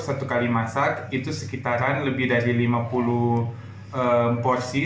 satu kali masak itu sekitaran lebih dari lima puluh porsi